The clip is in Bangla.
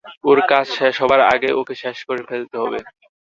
ওর কাজ শেষ হবার আগেই ওকে শেষ করে ফেলতে হবে।